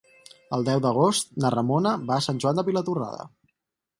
El deu d'agost na Ramona va a Sant Joan de Vilatorrada.